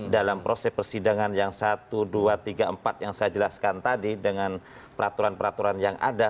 dalam proses persidangan yang satu dua tiga empat yang saya jelaskan tadi dengan peraturan peraturan yang ada